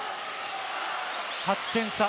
８点差。